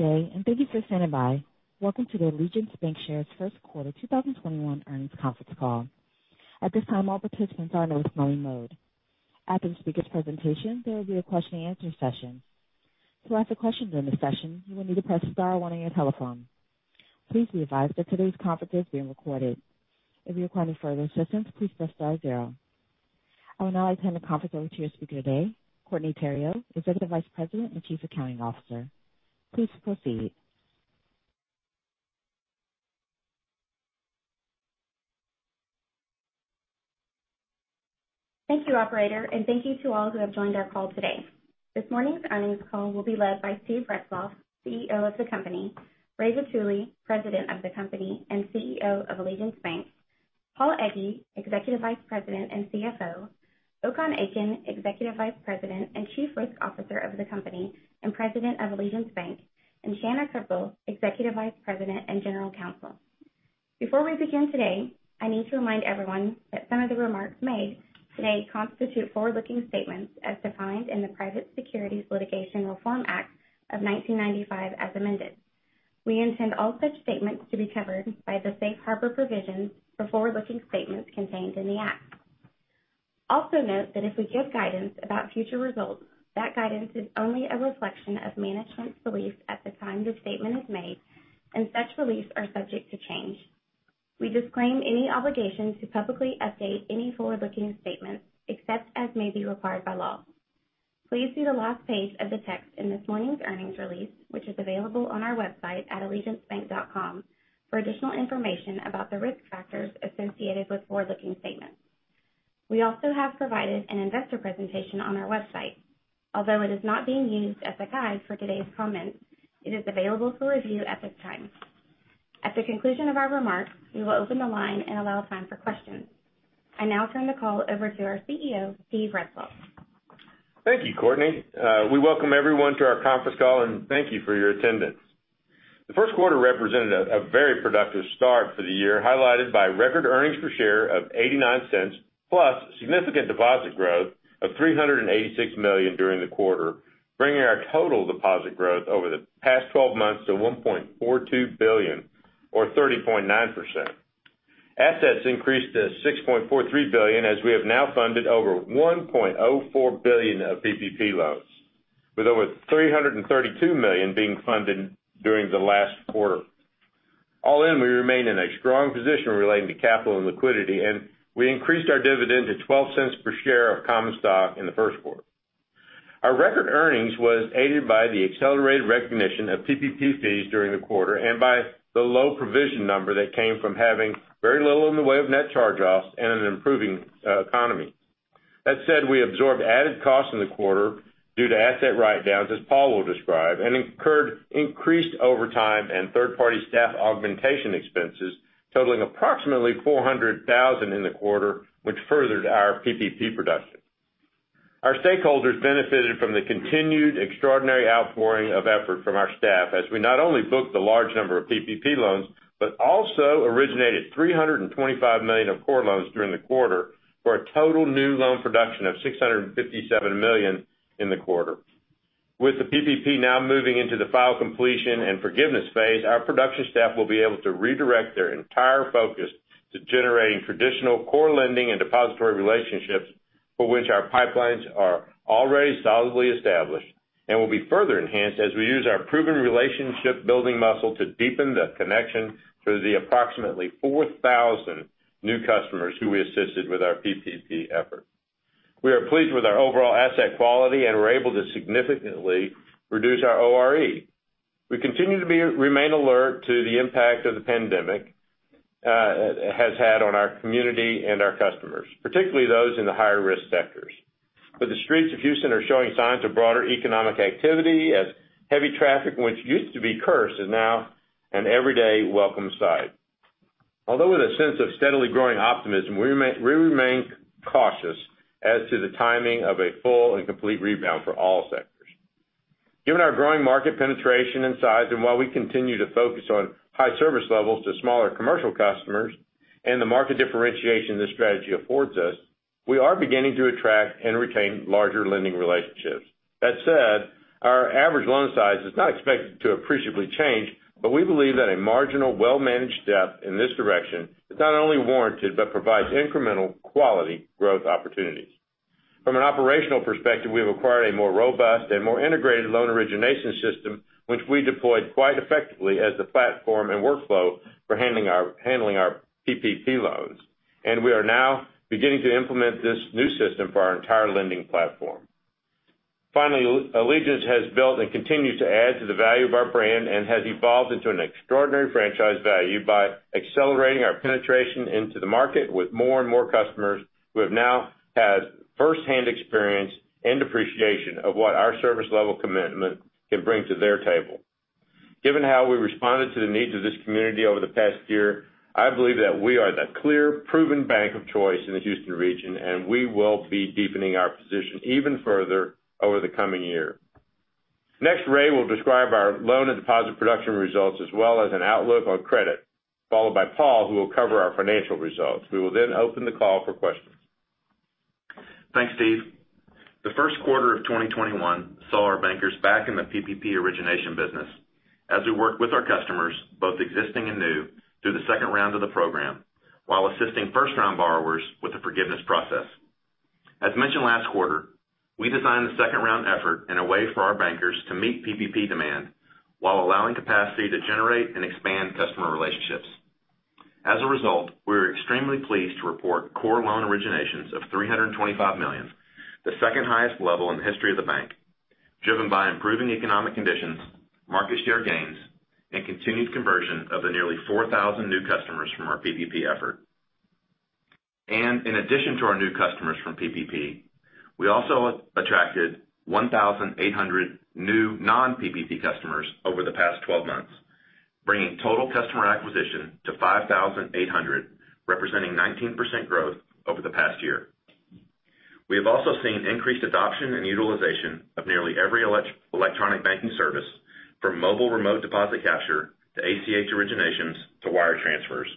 Good day, and thank you for standing by. Welcome to the Allegiance Bancshares first quarter 2021 earnings conference call. At this time, all participants are in listen-only mode. After the speaker's presentation, there will be a question and answer session. To ask a question during the session, you will need to press star one on your telephone. Please be advised that today's conference is being recorded. If you require any further assistance, please press star zero. I will now hand the conference over to your speaker today, Courtney Theriot, Executive Vice President and Chief Accounting Officer. Please proceed. Thank you, operator, and thank you to all who have joined our call today. This morning's earnings call will be led by Steven Retzloff, CEO of the company, Ramon Vitulli, President of the company and CEO of Allegiance Bank, Paul P. Egge, Executive Vice President and CFO, Okan I. Akin, Executive Vice President and Chief Risk Officer of the company and President of Allegiance Bank, and Justin M. Long, Executive Vice President and General Counsel. Before we begin today, I need to remind everyone that some of the remarks made today constitute forward-looking statements as defined in the Private Securities Litigation Reform Act of 1995 as amended. We intend all such statements to be covered by the safe harbor provisions for forward-looking statements contained in the act. Note that if we give guidance about future results, that guidance is only a reflection of management's beliefs at the time the statement is made, and such beliefs are subject to change. We disclaim any obligation to publicly update any forward-looking statements except as may be required by law. Please see the last page of the text in this morning's earnings release, which is available on our website at allegiancebank.com, for additional information about the risk factors associated with forward-looking statements. We also have provided an investor presentation on our website. It is not being used as a guide for today's comments, it is available for review at this time. At the conclusion of our remarks, we will open the line and allow time for questions. I now turn the call over to our CEO, Steven Retzloff. Thank you, Courtney. We welcome everyone to our conference call, and thank you for your attendance. The first quarter represented a very productive start for the year, highlighted by record earnings per share of $0.89, plus significant deposit growth of $386 million during the quarter, bringing our total deposit growth over the past 12 months to $1.42 billion or 30.9%. Assets increased to $6.43 billion as we have now funded over $1.04 billion of PPP loans, with over $332 million being funded during the last quarter. All in, we remain in a strong position relating to capital and liquidity, and we increased our dividend to $0.12 per share of common stock in the first quarter. Our record earnings was aided by the accelerated recognition of PPP fees during the quarter and by the low provision number that came from having very little in the way of net charge-offs and an improving economy. That said, we absorbed added costs in the quarter due to asset write-downs, as Paul will describe, and incurred increased overtime and third-party staff augmentation expenses totaling approximately $400,000 in the quarter, which furthered our PPP production. Our stakeholders benefited from the continued extraordinary outpouring of effort from our staff as we not only booked a large number of PPP loans, but also originated $325 million of core loans during the quarter for a total new loan production of $657 million in the quarter. With the PPP now moving into the file completion and forgiveness phase, our production staff will be able to redirect their entire focus to generating traditional core lending and depository relationships for which our pipelines are already solidly established and will be further enhanced as we use our proven relationship-building muscle to deepen the connection to the approximately 4,000 new customers who we assisted with our PPP effort. We are pleased with our overall asset quality and were able to significantly reduce our ORE. We continue to remain alert to the impact of the pandemic has had on our community and our customers, particularly those in the higher-risk sectors. The streets of Houston are showing signs of broader economic activity as heavy traffic, which used to be a curse, is now an everyday welcome sight. Although with a sense of steadily growing optimism, we remain cautious as to the timing of a full and complete rebound for all sectors. Given our growing market penetration and size, and while we continue to focus on high service levels to smaller commercial customers and the market differentiation this strategy affords us, we are beginning to attract and retain larger lending relationships. That said, our average loan size is not expected to appreciably change, but we believe that a marginal, well-managed step in this direction is not only warranted but provides incremental quality growth opportunities. From an operational perspective, we have acquired a more robust and more integrated loan origination system, which we deployed quite effectively as the platform and workflow for handling our PPP loans, and we are now beginning to implement this new system for our entire lending platform. Finally, Allegiance has built and continues to add to the value of our brand and has evolved into an extraordinary franchise value by accelerating our penetration into the market with more and more customers who have now had firsthand experience and appreciation of what our service level commitment can bring to their table. Given how we responded to the needs of this community over the past year, I believe that we are the clear, proven bank of choice in the Houston region, and we will be deepening our position even further over the coming year. Next, Ramon Vitulli will describe our loan and deposit production results as well as an outlook on credit, followed by Paul P. Egge, who will cover our financial results. We will then open the call for questions. Thanks, Steven. The first quarter of 2021 saw our bankers back in the PPP origination business as we worked with our customers, both existing and new, through the second round of the program, while assisting first-round borrowers with the forgiveness process. As mentioned last quarter, we designed the second-round effort in a way for our bankers to meet PPP demand while allowing capacity to generate and expand customer relationships. As a result, we are extremely pleased to report core loan originations of $325 million, the second highest level in the history of the bank, driven by improving economic conditions, market share gains, and continued conversion of the nearly 4,000 new customers from our PPP effort. In addition to our new customers from PPP, we also attracted 1,800 new non-PPP customers over the past 12 months, bringing total customer acquisition to 5,800, representing 19% growth over the past year. We have also seen increased adoption and utilization of nearly every electronic banking service, from mobile remote deposit capture to ACH originations to wire transfers.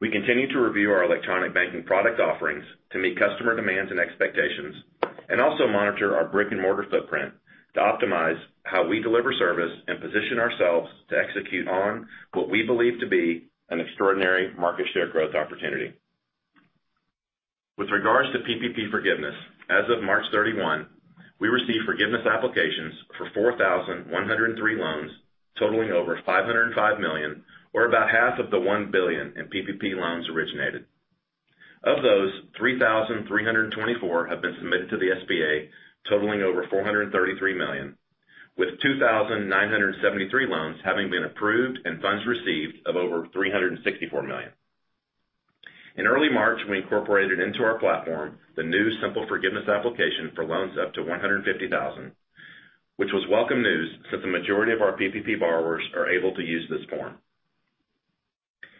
We continue to review our electronic banking product offerings to meet customer demands and expectations, and also monitor our brick-and-mortar footprint to optimize how we deliver service and position ourselves to execute on what we believe to be an extraordinary market share growth opportunity. With regards to PPP forgiveness, as of March 31, we received forgiveness applications for 4,103 loans totaling over $505 million, or about half of the $1 billion in PPP loans originated. Of those, 3,324 have been submitted to the SBA, totaling over $433 million, with 2,973 loans having been approved and funds received of over $364 million. In early March, we incorporated into our platform the new simple forgiveness application for loans up to $150,000, which was welcome news since the majority of our PPP borrowers are able to use this form.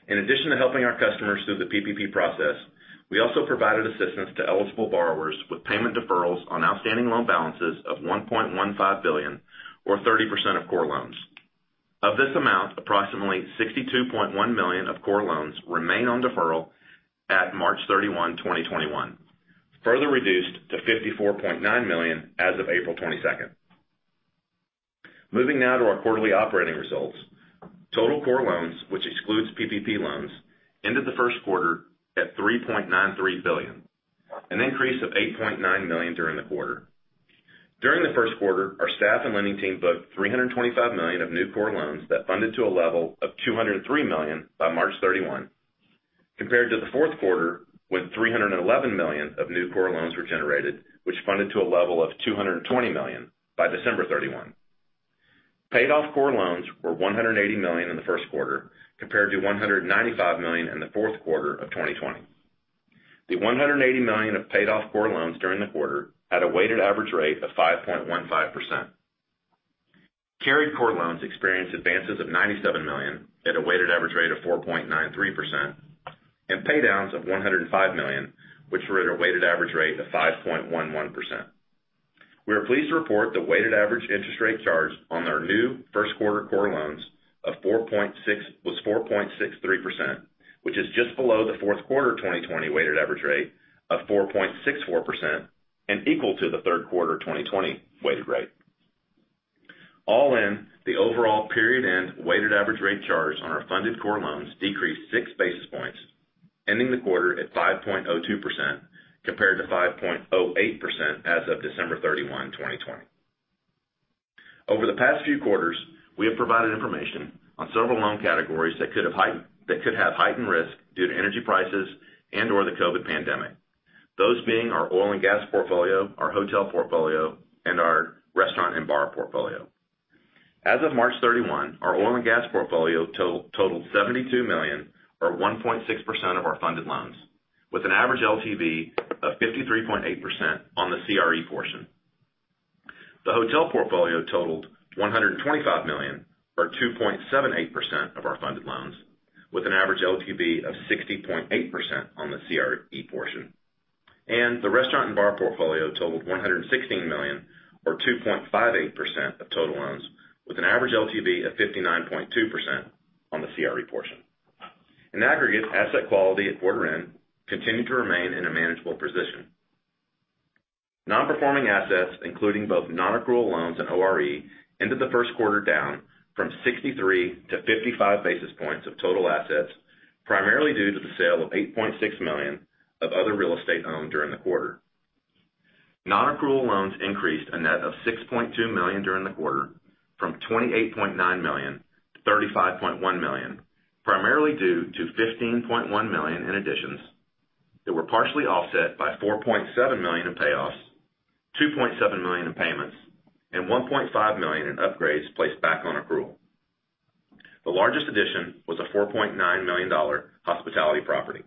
In addition to helping our customers through the PPP process, we also provided assistance to eligible borrowers with payment deferrals on outstanding loan balances of $1.15 billion, or 30% of core loans. Of this amount, approximately $62.1 million of core loans remain on deferral at March 31, 2021, further reduced to $54.9 million as of April 22nd. Moving now to our quarterly operating results. Total core loans, which excludes PPP loans, ended the first quarter at $3.93 billion, an increase of $8.9 million during the quarter. During the first quarter, our staff and lending team booked $325 million of new core loans that funded to a level of $203 million by March 31, compared to the fourth quarter with $311 million of new core loans were generated, which funded to a level of $220 million by December 31. Paid off core loans were $180 million in the first quarter, compared to $195 million in the fourth quarter of 2020. The $180 million of paid off core loans during the quarter had a weighted average rate of 5.15%. Carried core loans experienced advances of $97 million at a weighted average rate of 4.93%, and pay downs of $105 million, which were at a weighted average rate of 5.11%. We are pleased to report the weighted average interest rate charged on our new first quarter core loans was 4.63%, which is just below the fourth quarter 2020 weighted average rate of 4.64%, and equal to the third quarter 2020 weighted rate. All in, the overall period-end weighted average rate charged on our funded core loans decreased six basis points, ending the quarter at 5.02%, compared to 5.08% as of December 31, 2020. Over the past few quarters, we have provided information on several loan categories that could have heightened risk due to energy prices and/or the COVID pandemic, those being our oil and gas portfolio, our hotel portfolio, and our restaurant and bar portfolio. As of March 31, our oil and gas portfolio totaled $72 million, or 1.6% of our funded loans, with an average LTV of 53.8% on the CRE portion. The hotel portfolio totaled $125 million, or 2.78% of our funded loans, with an average LTV of 60.8% on the CRE portion. The restaurant and bar portfolio totaled $116 million, or 2.58% of total loans, with an average LTV of 59.2% on the CRE portion. In aggregate, asset quality at quarter end continued to remain in a manageable position. Non-performing assets, including both non-accrual loans and ORE, ended the first quarter down from 63 to 55 basis points of total assets, primarily due to the sale of $8.6 million of other real estate owned during the quarter. Non-accrual loans increased a net of $6.2 million during the quarter from $28.9 million to $35.1 million, primarily due to $15.1 million in additions that were partially offset by $4.7 million in payoffs, $2.7 million in payments, and $1.5 million in upgrades placed back on accrual. The largest addition was a $4.9 million hospitality property.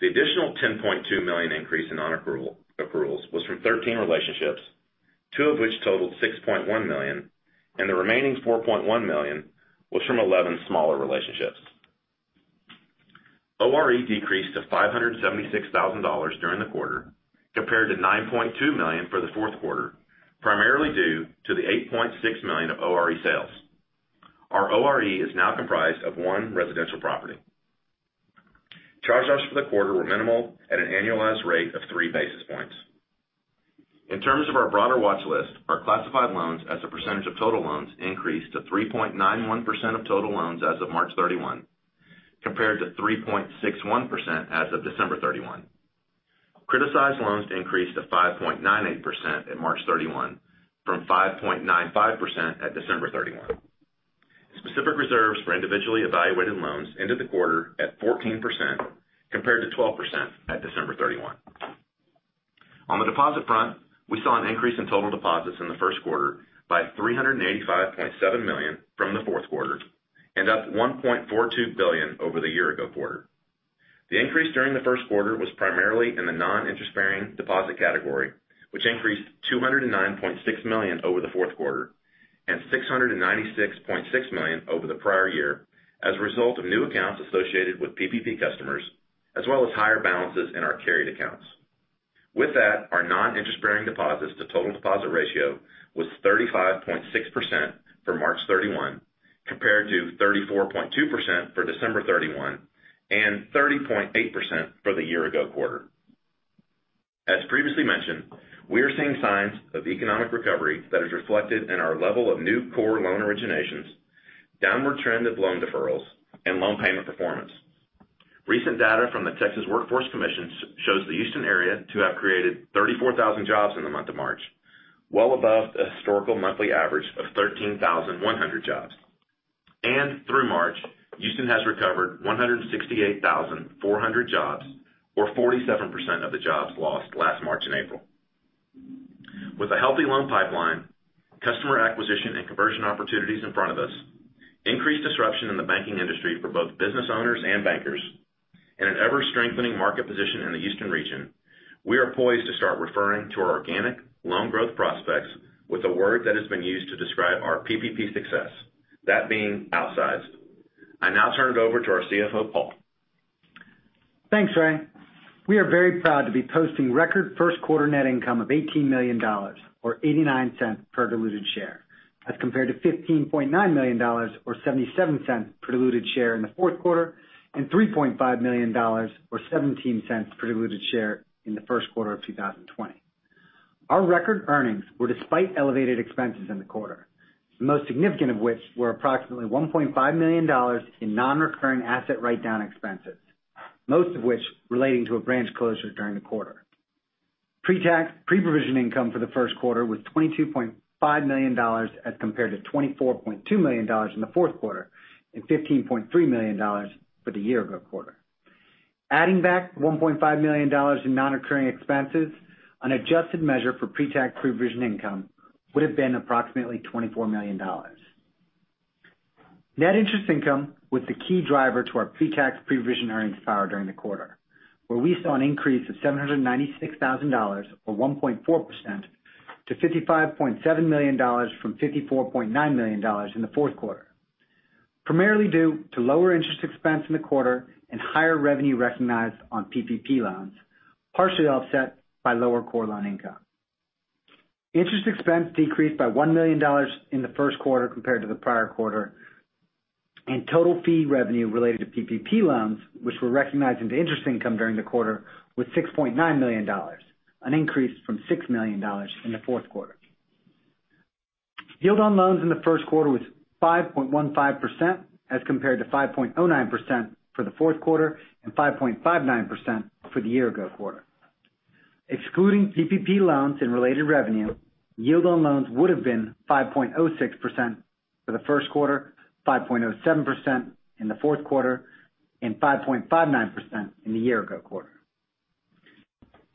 The additional $10.2 million increase in non-accruals was from 13 relationships, two of which totaled $6.1 million, and the remaining $4.1 million was from 11 smaller relationships. ORE decreased to $576,000 during the quarter, compared to $9.2 million for the fourth quarter, primarily due to the $8.6 million of ORE sales. Our ORE is now comprised of one residential property. Charge-offs for the quarter were minimal at an annualized rate of three basis points. In terms of our broader watch list, our classified loans as a percentage of total loans increased to 3.91% of total loans as of March 31, compared to 3.61% as of December 31. Criticized loans increased to 5.98% at March 31 from 5.95% at December 31. Specific reserves for individually evaluated loans ended the quarter at 14%, compared to 12% at December 31. On the deposit front, we saw an increase in total deposits in the first quarter by $385.7 million from the fourth quarter, and up $1.42 billion over the year ago quarter. The increase during the first quarter was primarily in the non-interest bearing deposit category, which increased $209.6 million over the fourth quarter and $696.6 million over the prior year as a result of new accounts associated with PPP customers, as well as higher balances in our carried accounts. With that, our non-interest bearing deposits to total deposit ratio was 35.6% for March 31, compared to 34.2% for December 31 and 30.8% for the year ago quarter. As previously mentioned, we are seeing signs of economic recovery that is reflected in our level of new core loan originations, downward trend of loan deferrals, and loan payment performance. Recent data from the Texas Workforce Commission shows the Houston area to have created 34,000 jobs in the month of March, well above the historical monthly average of 13,100 jobs. Through March, Houston has recovered 168,400 jobs, or 47% of the jobs lost last March and April. With a healthy loan pipeline, customer acquisition and conversion opportunities in front of us, increased disruption in the banking industry for both business owners and bankers, and an ever-strengthening market position in the Houston region, we are poised to start referring to our organic loan growth prospects with a word that has been used to describe our PPP success, that being outsized. I now turn it over to our CFO, Paul. Thanks, Ray. We are very proud to be posting record first quarter net income of $18 million, or $0.89 per diluted share, as compared to $15.9 million, or $0.77 per diluted share in the fourth quarter, and $3.5 million, or $0.17 per diluted share in the first quarter of 2020. Our record earnings were despite elevated expenses in the quarter, the most significant of which were approximately $1.5 million in non-recurring asset write-down expenses, most of which relating to a branch closure during the quarter. Pre-tax, pre-provision income for the first quarter was $22.5 million as compared to $24.2 million in the fourth quarter, and $15.3 million for the year ago quarter. Adding back $1.5 million in non-recurring expenses, an adjusted measure for pre-tax, pre-provision income would've been approximately $24 million. Net interest income was the key driver to our pre-tax, pre-provision earnings power during the quarter, where we saw an increase of $796,000, or 1.4%, to $55.7 million from $54.9 million in the fourth quarter, primarily due to lower interest expense in the quarter and higher revenue recognized on PPP loans, partially offset by lower core loan income. Interest expense decreased by $1 million in the first quarter compared to the prior quarter, and total fee revenue related to PPP loans, which were recognized into interest income during the quarter, was $6.9 million, an increase from $6 million in the fourth quarter. Yield on loans in the first quarter was 5.15%, as compared to 5.09% for the fourth quarter and 5.59% for the year ago quarter. Excluding PPP loans and related revenue, yield on loans would've been 5.06% for the first quarter, 5.07% in the fourth quarter, and 5.59% in the year ago quarter.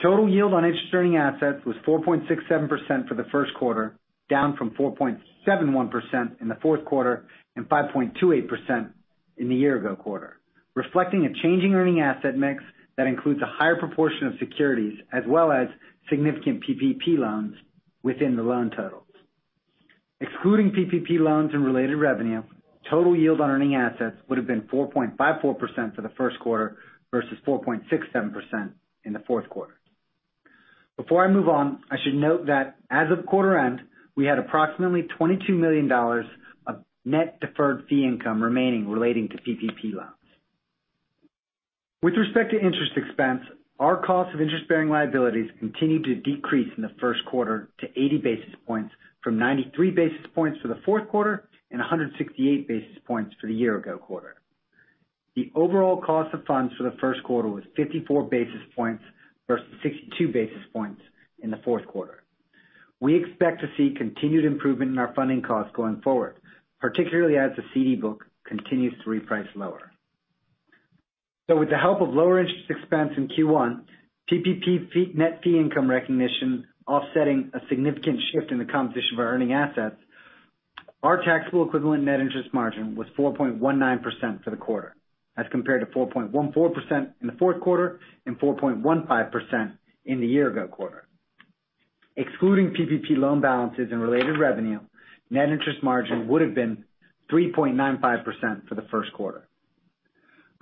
Total yield on interest-earning assets was 4.67% for the first quarter, down from 4.71% in the fourth quarter and 5.28% in the year ago quarter, reflecting a changing earning asset mix that includes a higher proportion of securities as well as significant PPP loans within the loan totals. Excluding PPP loans and related revenue, total yield on earning assets would've been 4.54% for the first quarter versus 4.67% in the fourth quarter. Before I move on, I should note that as of quarter end, we had approximately $22 million of net deferred fee income remaining relating to PPP loans. With respect to interest expense, our cost of interest-bearing liabilities continued to decrease in the first quarter to 80 basis points from 93 basis points for the fourth quarter and 168 basis points for the year ago quarter. The overall cost of funds for the first quarter was 54 basis points versus 62 basis points in the fourth quarter. We expect to see continued improvement in our funding costs going forward, particularly as the CD book continues to reprice lower. With the help of lower interest expense in Q1, PPP net fee income recognition offsetting a significant shift in the composition of our earning assets, our taxable equivalent net interest margin was 4.19% for the quarter as compared to 4.14% in the fourth quarter and 4.15% in the year ago quarter. Excluding PPP loan balances and related revenue, net interest margin would've been 3.95% for the first quarter.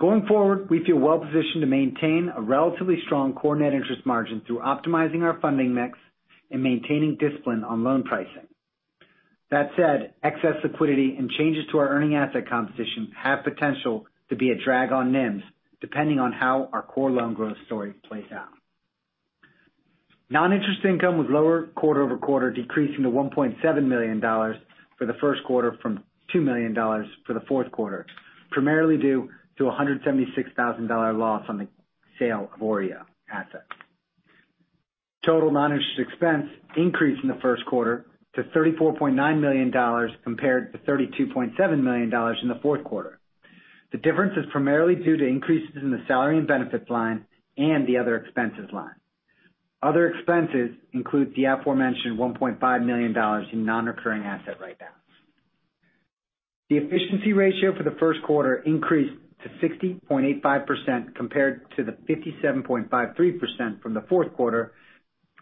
Going forward, we feel well positioned to maintain a relatively strong core net interest margin through optimizing our funding mix and maintaining discipline on loan pricing. That said, excess liquidity and changes to our earning asset composition have potential to be a drag on NIMs, depending on how our core loan growth story plays out. Non-interest income was lower quarter-over-quarter, decreasing to $1.7 million for the first quarter from $2 million for the fourth quarter, primarily due to a $176,000 loss on the sale of OREO assets. Total non-interest expense increased in the first quarter to $34.9 million compared to $32.7 million in the fourth quarter. The difference is primarily due to increases in the salary and benefits line and the other expenses line. Other expenses include the aforementioned $1.5 million in non-recurring asset write-downs. The efficiency ratio for the first quarter increased to 60.85% compared to the 57.53% from the fourth quarter,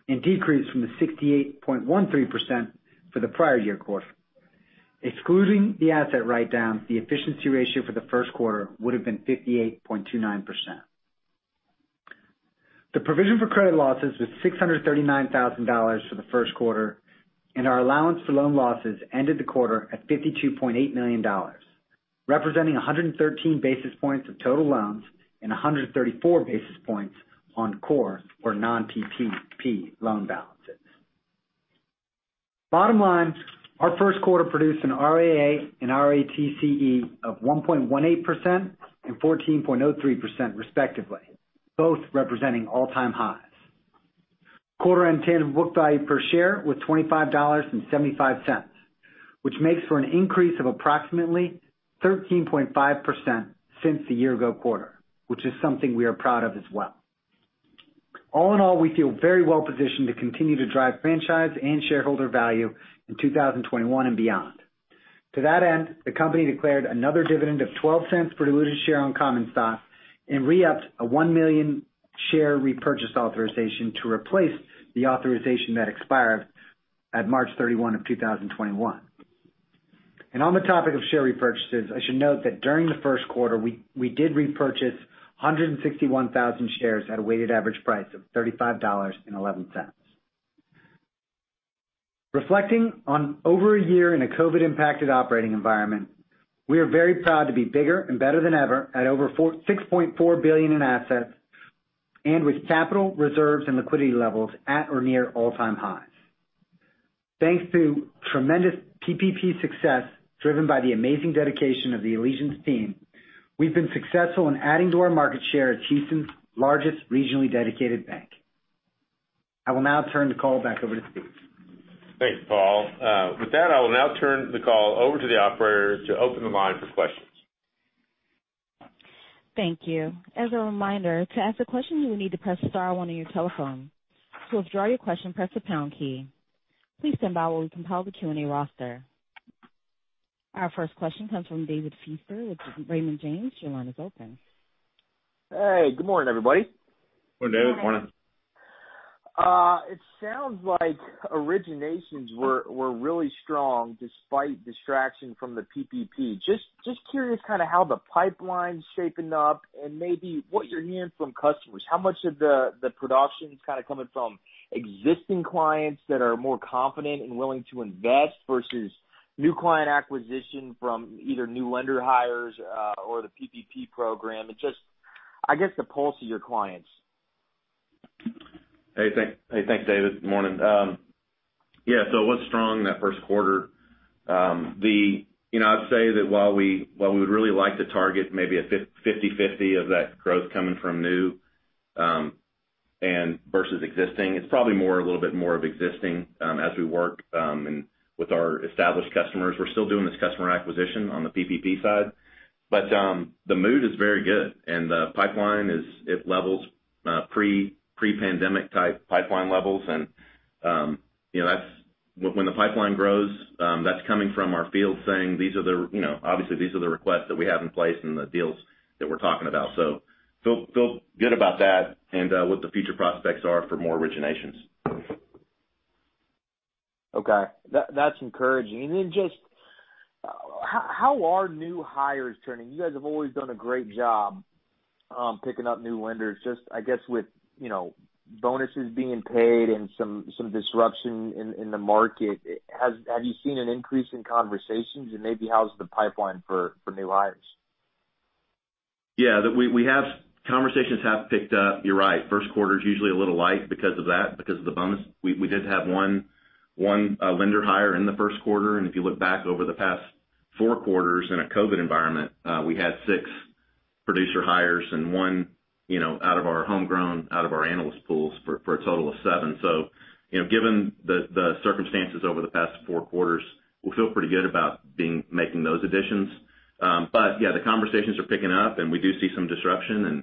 and decreased from the 68.13% for the prior year quarter. Excluding the asset write-down, the efficiency ratio for the first quarter would've been 58.29%. The provision for credit losses was $639,000 for the first quarter, and our allowance for loan losses ended the quarter at $52.8 million, representing 113 basis points of total loans and 134 basis points on core or non-PPP loan balances. Bottom line, our first quarter produced an ROA and ROTCE of 1.18% and 14.03% respectively, both representing all-time highs. Quarter-end tangible book value per share was $25.75, which makes for an increase of approximately 13.5% since the year ago quarter, which is something we are proud of as well. All in all, we feel very well positioned to continue to drive franchise and shareholder value in 2021 and beyond. To that end, the company declared another dividend of $0.12 per diluted share on common stock and re-upped a one million share repurchase authorization to replace the authorization that expired at March 31 of 2021. On the topic of share repurchases, I should note that during the first quarter, we did repurchase 161,000 shares at a weighted average price of $35.11. Reflecting on over a year in a COVID-impacted operating environment, we are very proud to be bigger and better than ever at over $6.4 billion in assets and with capital reserves and liquidity levels at or near all-time highs. Thanks to tremendous PPP success driven by the amazing dedication of the Allegiance team, we've been successful in adding to our market share as Houston's largest regionally dedicated bank. I will now turn the call back over to Steven. Thanks, Paul. With that, I will now turn the call over to the operator to open the line for questions. Thank you. As a reminder, to ask a question, you will need to press star one on your telephone. To withdraw your question, press the pound key. Please stand by while we compile the Q&A roster. Our first question comes from David Feaster with Raymond James. Your line is open. Hey, good morning, everybody. Good morning, David. Good morning. It sounds like originations were really strong despite distraction from the PPP. Just curious how the pipeline's shaping up and maybe what you're hearing from customers. How much of the production's coming from existing clients that are more confident and willing to invest versus new client acquisition from either new lender hires or the PPP program, and just, I guess, the pulse of your clients. Hey. Thanks, David. Good morning. Yeah, it was strong that first quarter. I'd say that while we would really like to target maybe a 50/50 of that growth coming from new versus existing, it's probably a little bit more of existing as we work with our established customers. We're still doing this customer acquisition on the PPP side. The mood is very good, and the pipeline is at pre-pandemic type pipeline levels. When the pipeline grows, that's coming from our field saying, obviously these are the requests that we have in place and the deals that we're talking about. Feel good about that and what the future prospects are for more originations. Okay. That's encouraging. Just how are new hires turning? You guys have always done a great job picking up new lenders. Just, I guess, with bonuses being paid and some disruption in the market, have you seen an increase in conversations? Maybe how's the pipeline for new hires? Yeah. Conversations have picked up. You're right. First quarter's usually a little light because of that, because of the bonus. We did have one lender hire in the first quarter. If you look back over the past four quarters in a COVID environment, we had six producer hires and one out of our homegrown, out of our analyst pools, for a total of seven. Given the circumstances over the past four quarters, we feel pretty good about making those additions. Yeah, the conversations are picking up, and we do see some disruption.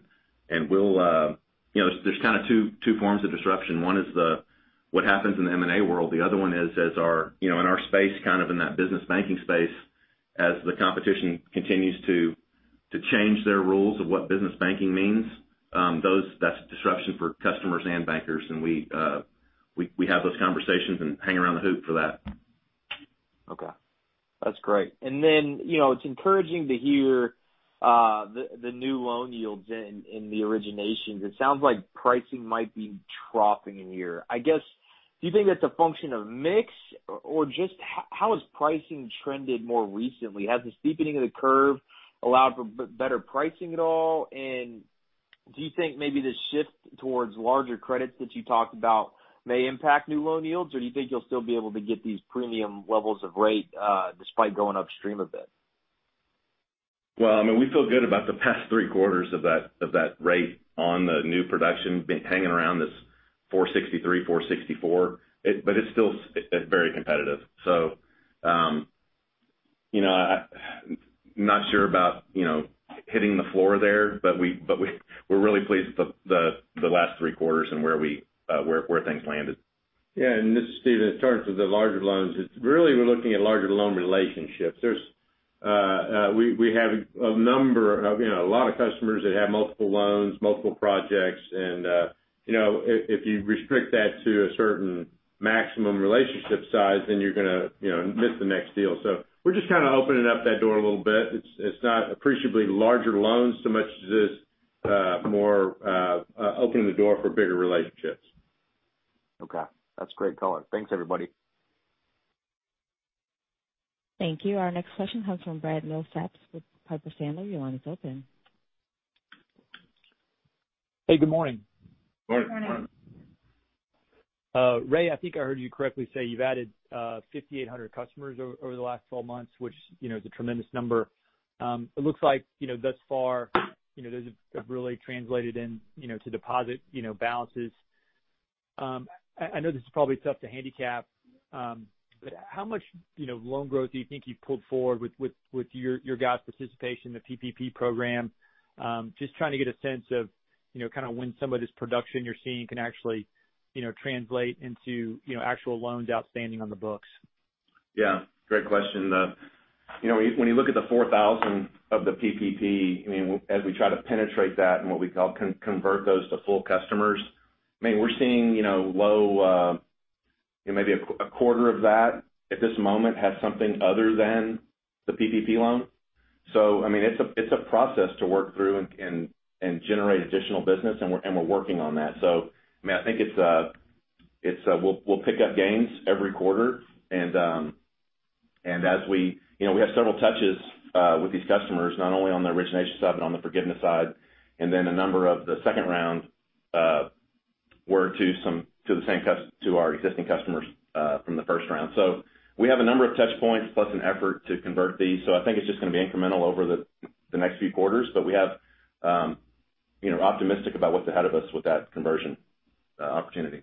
There's kind of two forms of disruption. One is what happens in the M&A world. The other one is in our space, kind of in that business banking space, as the competition continues to change their rules of what business banking means, that's a disruption for customers and bankers. We have those conversations and hang around the hoop for that. Okay. That's great. It's encouraging to hear the new loan yields in the originations. It sounds like pricing might be dropping in here. I guess, do you think that's a function of mix? Just how has pricing trended more recently? Has the steepening of the curve allowed for better pricing at all? Do you think maybe the shift towards larger credits that you talked about may impact new loan yields, or do you think you'll still be able to get these premium levels of rate, despite going upstream a bit? Well, we feel good about the past three quarters of that rate on the new production hanging around this 463, 464. It's still very competitive. I'm not sure about hitting the floor there, but we're really pleased with the last three quarters and where things landed. This is Steven. In terms of the larger loans, it's really we're looking at larger loan relationships. We have a lot of customers that have multiple loans, multiple projects, and if you restrict that to a certain maximum relationship size, then you're going to miss the next deal. We're just kind of opening up that door a little bit. It's not appreciably larger loans so much as it's more opening the door for bigger relationships. Okay. That's great color. Thanks, everybody. Thank you. Our next question comes from Bradley Milsaps with Piper Sandler. Your line is open. Hey, good morning. Morning. Morning. Ray, I think I heard you correctly say you've added 5,800 customers over the last 12 months, which is a tremendous number. It looks like thus far, those have really translated into deposit balances. I know this is probably tough to handicap, but how much loan growth do you think you've pulled forward with your guys' participation in the PPP program? Just trying to get a sense of when some of this production you're seeing can actually translate into actual loans outstanding on the books. Yeah. Great question. When you look at the 4,000 of the PPP, as we try to penetrate that and what we call convert those to full customers, we're seeing low, maybe a quarter of that at this moment has something other than the PPP loan. It's a process to work through and generate additional business, and we're working on that. I think we'll pick up gains every quarter. We have several touches with these customers, not only on the origination side, but on the forgiveness side. A number of the second round were to our existing customers from the first round. We have a number of touchpoints plus an effort to convert these. I think it's just going to be incremental over the next few quarters. We have optimistic about what's ahead of us with that conversion opportunity.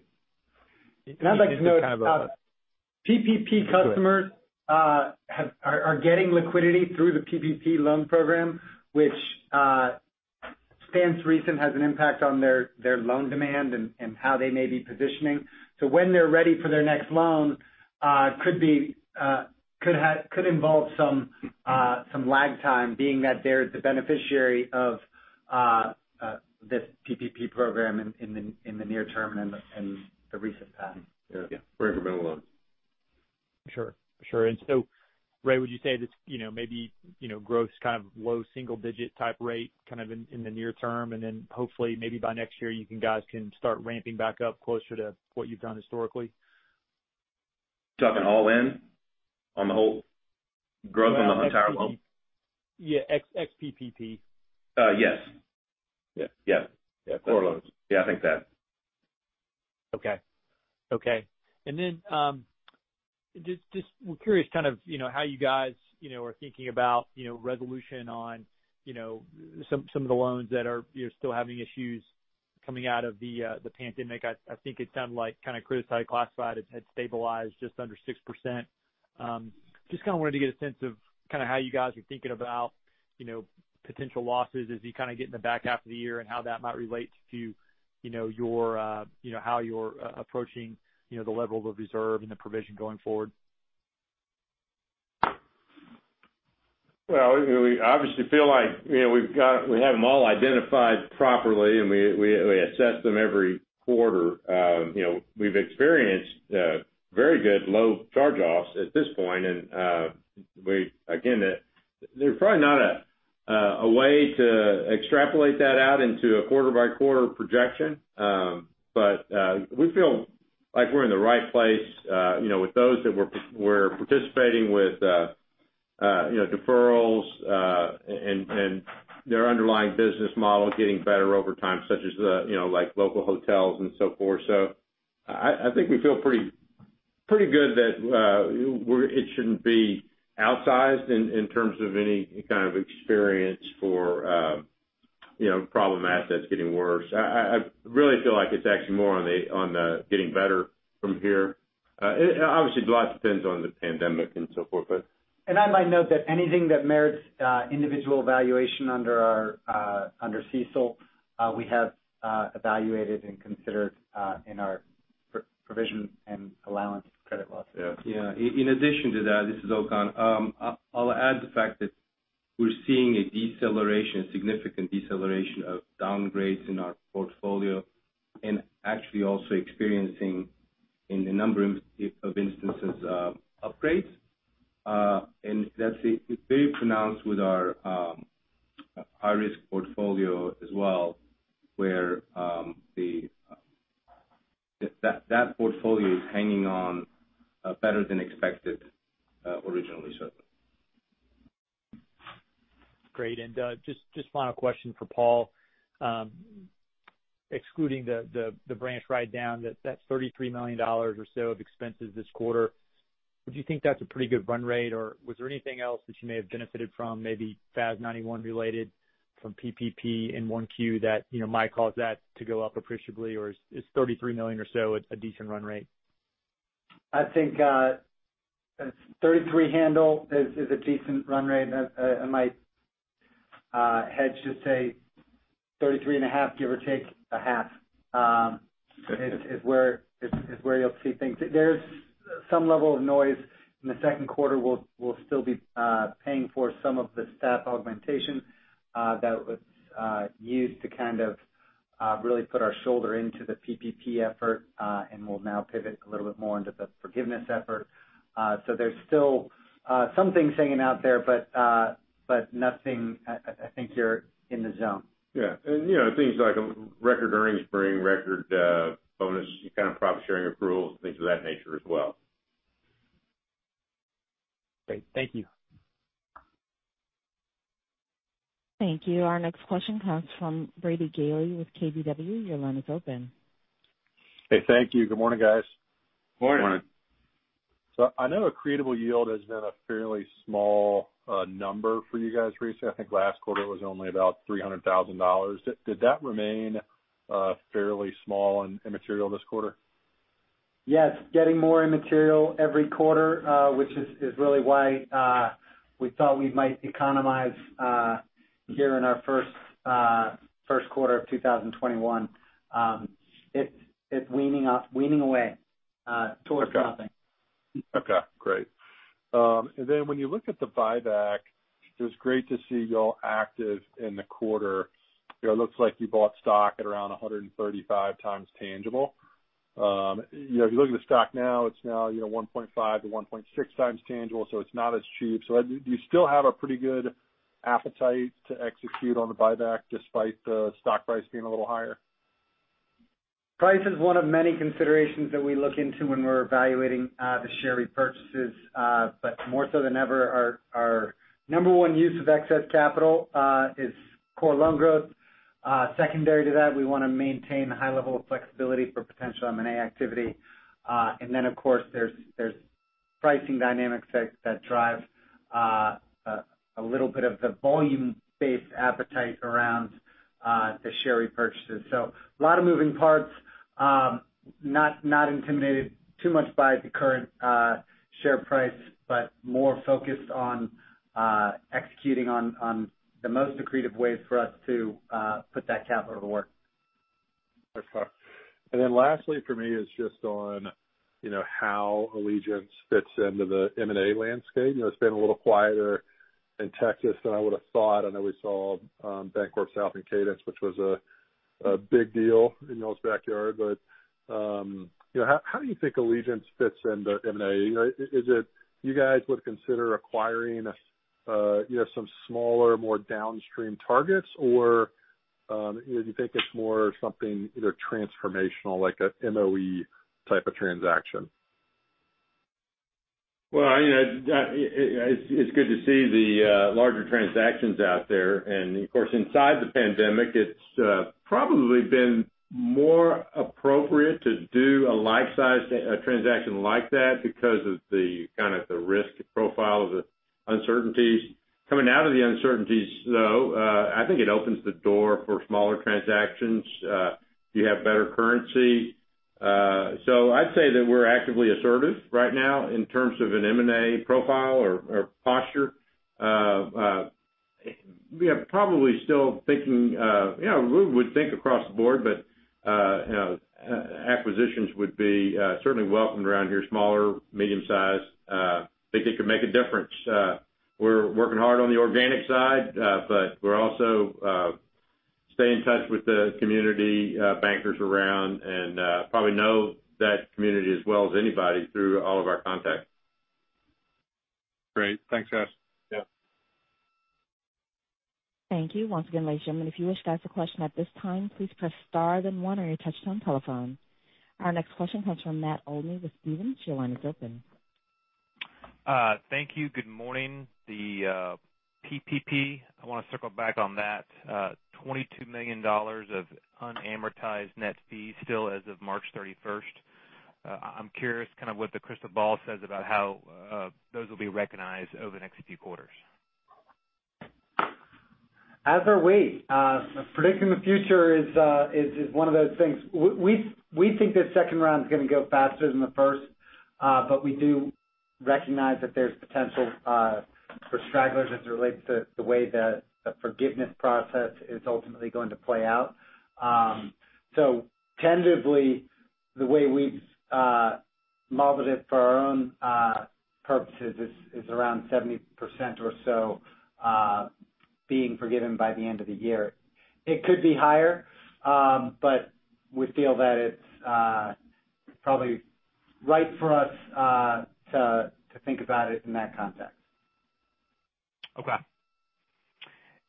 I'd like to note, PPP customers are getting liquidity through the PPP loan program, which stands to reason has an impact on their loan demand and how they may be positioning. When they're ready for their next loan, could involve some lag time being that they're the beneficiary of this PPP program in the near term and the recent past. Yeah. Very incremental loans. Sure. Ray, would you say this maybe growth's kind of low single-digit type rate kind of in the near term, hopefully maybe by next year, you guys can start ramping back up closer to what you've done historically? Talking all in on the whole growth on the entire loan? Yeah. Ex PPP. Yes. Yeah. Yeah. Core loans. Yeah, I think that. Okay. Just we're curious kind of how you guys are thinking about resolution on some of the loans that you're still having issues coming out of the pandemic. I think it sounded like kind of criticized classified had stabilized just under 6%. Just kind of wanted to get a sense of how you guys are thinking about potential losses as you kind of get in the back half of the year and how that might relate to how you're approaching the level of reserve and the provision going forward. We obviously feel like we have them all identified properly, and we assess them every quarter. We've experienced very good low charge-offs at this point, and again, there's probably not a way to extrapolate that out into a quarter-by-quarter projection. We feel like we're in the right place with those that we're participating with deferrals, and their underlying business model is getting better over time, such as local hotels and so forth. I think we feel pretty good that it shouldn't be outsized in terms of any kind of experience for problem assets getting worse. I really feel like it's actually more on the getting better from here. Obviously, a lot depends on the pandemic and so forth but. I might note that anything that merits individual valuation under CECL, we have evaluated and considered in our provision and allowance for credit losses. Yeah. In addition to that, this is Okan. I'll add the fact that we're seeing a significant deceleration of downgrades in our portfolio, and actually also experiencing, in a number of instances, upgrades. That's very pronounced with our high-risk portfolio as well, where that portfolio is hanging on better than expected originally, certainly. Great. Just final question for Paul. Excluding the branch write-down, that's $33 million or so of expenses this quarter. Do you think that's a pretty good run rate, or was there anything else that you may have benefited from, maybe FAS 91 related from PPP in 1Q that might cause that to go up appreciably, or is $33 million or so a decent run rate? I think $33 handle is a decent run rate. My head should say $33.5 is where you'll see things. There's some level of noise. In the second quarter, we'll still be paying for some of the staff augmentation that was used to really put our shoulder into the PPP effort, and we'll now pivot a little bit more into the forgiveness effort. There's still some things hanging out there, but nothing, I think, here in the zone. Yeah. Things like record earnings bring record bonus, kind of profit-sharing approvals, things of that nature as well. Great. Thank you. Thank you. Our next question comes from Brady Gailey with KBW. Your line is open. Hey, thank you. Good morning, guys. Morning. Morning. I know accretable yield has been a fairly small number for you guys recently. I think last quarter was only about $300,000. Did that remain fairly small and immaterial this quarter? Yes. Getting more immaterial every quarter, which is really why we thought we might economize here in our first quarter of 2021. It's weaning away towards nothing. Okay, great. When you look at the buyback, it was great to see y'all active in the quarter. It looks like you bought stock at around 135x tangible. If you look at the stock now, it's now 1.5x-1.6x tangible, so it's not as cheap. Do you still have a pretty good appetite to execute on the buyback despite the stock price being a little higher? Price is one of many considerations that we look into when we're evaluating the share repurchases. More so than ever, our number one use of excess capital is core loan growth. Secondary to that, we want to maintain a high level of flexibility for potential M&A activity. Of course, there's pricing dynamics that drive a little bit of the volume-based appetite around the share repurchases. A lot of moving parts. Not intimidated too much by the current share price, but more focused on executing on the most accretive ways for us to put that capital to work. Okay. Lastly for me is just on how Allegiance fits into the M&A landscape. It's been a little quieter in Texas than I would've thought. I know we saw BancorpSouth and Cadence, which was a big deal in y'all's backyard. How do you think Allegiance fits into M&A? Is it you guys would consider acquiring some smaller, more downstream targets, or do you think it's more something either transformational, like an MOE type of transaction? Well, it's good to see the larger transactions out there. Of course, inside the pandemic, it's probably been more appropriate to do a life-sized transaction like that because of the risk profile of the uncertainties. Coming out of the uncertainties, though, I think it opens the door for smaller transactions. You have better currency. I'd say that we're actively assertive right now in terms of an M&A profile or posture. We have probably we would think across the board. Acquisitions would be certainly welcomed around here, smaller, medium-sized. Think it could make a difference. We're working hard on the organic side. We're also staying in touch with the community bankers around and probably know that community as well as anybody through all of our contacts. Great. Thanks, guys. Yeah. Thank you. Once again, ladies and gentlemen. Our next question comes from Matt Olney with Stephens. Your line is open. Thank you. Good morning. The PPP, I want to circle back on that. $22 million of unamortized net fees still as of March 31st. I'm curious kind of what the crystal ball says about how those will be recognized over the next few quarters. As are we. Predicting the future is one of those things. We think this second round is going to go faster than the first. We do recognize that there's potential for stragglers as it relates to the way the forgiveness process is ultimately going to play out. Tentatively, the way we've modeled it for our own purposes is around 70% or so being forgiven by the end of the year. It could be higher, but we feel that it's probably right for us to think about it in that context. Okay.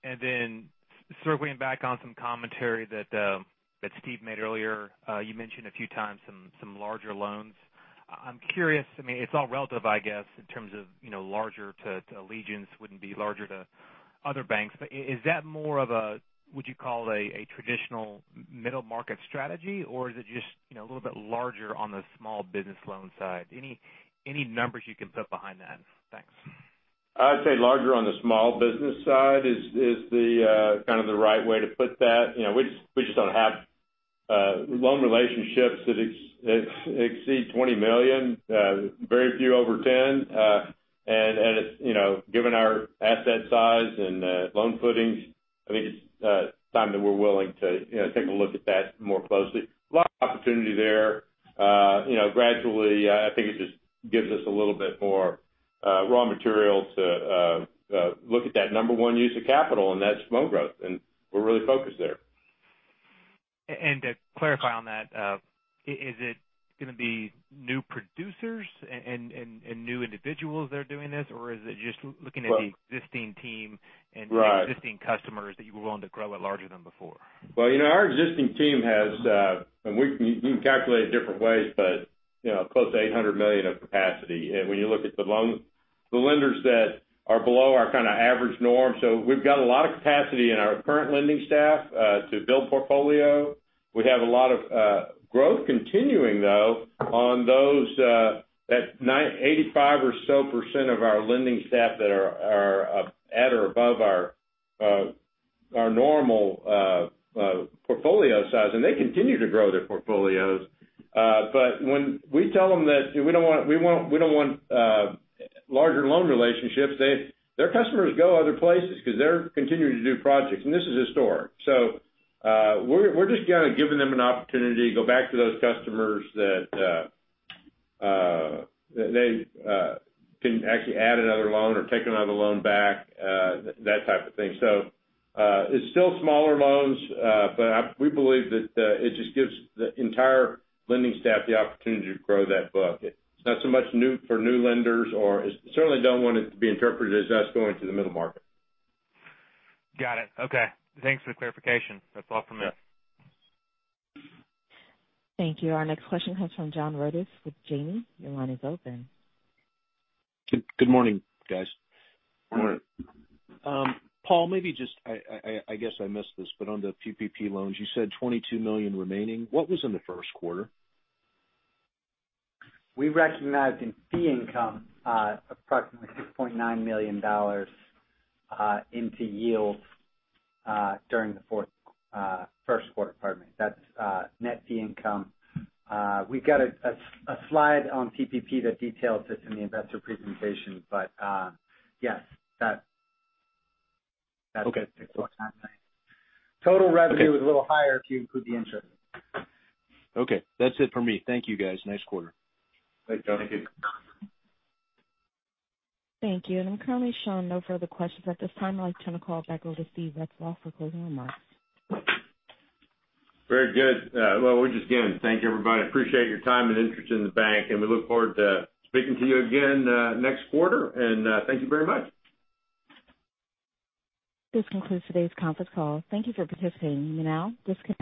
Then circling back on some commentary that Steve made earlier. You mentioned a few times some larger loans. I'm curious, I mean, it's all relative, I guess, in terms of larger to Allegiance wouldn't be larger to other banks. Is that more of a, would you call a traditional middle market strategy, or is it just a little bit larger on the small business loan side? Any numbers you can put behind that? Thanks. I'd say larger on the small business side is the right way to put that. We just don't have loan relationships that exceed $20 million. Very few over $10. Given our asset size and loan footings, it's time that we're willing to take a look at that more closely. Lot of opportunity there. Gradually, I think it just gives us a little bit more raw material to look at that number one use of capital, and that's loan growth. We're really focused there. To clarify on that, is it going to be new producers and new individuals that are doing this, or is it just looking at the existing team? Right The existing customers that you were willing to grow it larger than before? Well, our existing team has. We can calculate it different ways, but close to $800 million of capacity. When you look at the lenders that are below our kind of average norm. We've got a lot of capacity in our current lending staff to build portfolio. We have a lot of growth continuing, though, on those at 85% or so of our lending staff that are at or above our normal portfolio size. They continue to grow their portfolios. When we tell them that we don't want larger loan relationships, their customers go other places because they're continuing to do projects. This is historic. We're just giving them an opportunity to go back to those customers that they can actually add another loan or take another loan back, that type of thing. It's still smaller loans. We believe that it just gives the entire lending staff the opportunity to grow that book. It's not so much for new lenders or certainly don't want it to be interpreted as us going to the middle market. Got it. Okay. Thanks for the clarification. That's all from me. Thank you. Our next question comes from John Rodis with Janney. Your line is open. Good morning, guys. Good morning. Paul, maybe just, I guess I missed this, on the PPP loans, you said $22 million remaining. What was in the first quarter? We recognized in fee income approximately $6.9 million into yield during the first quarter, pardon me. That's net fee income. We've got a slide on PPP that details this in the investor presentation. Okay total revenue is a little higher if you include the interest. Okay. That's it for me. Thank you, guys. Nice quarter. Thanks, John. Thank you. I'm currently showing no further questions at this time. I'd like to turn the call back over to Steven Retzloff for closing remarks. Very good. We're just going to thank everybody. Appreciate your time and interest in the bank, and we look forward to speaking to you again next quarter. Thank you very much. This concludes today's conference call. Thank you for participating. You may now disconnect.